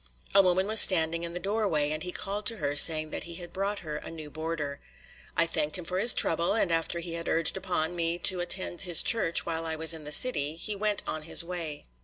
A woman was standing in the doorway, and he called to her saying that he had brought her a new boarder. I thanked him for his trouble, and after he had urged upon, me to attend his church while I was in the city, he went on his way.